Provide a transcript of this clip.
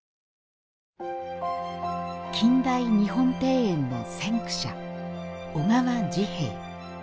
近代日本庭園の先駆者小川治兵衛。